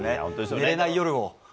寝れない夜を。